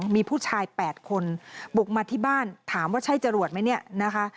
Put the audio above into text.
มีผู้ชาย๘คนบุกมาที่บ้านถามว่าใช่จรวจไหม